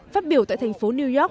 phát biểu tại thành phố new york